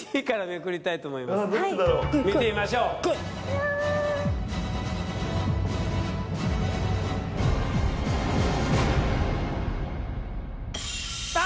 見てみましょう来い！